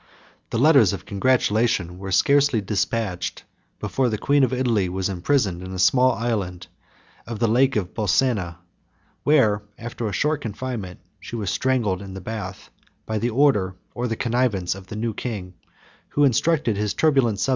The letters of congratulation were scarcely despatched before the queen of Italy was imprisoned in a small island of the Lake of Bolsena,55 where, after a short confinement, she was strangled in the bath, by the order, or with the connivance of the new king, who instructed his turbulent subjects to shed the blood of their sovereigns.